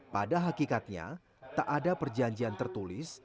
pada hakikatnya tak ada perjanjian tertulis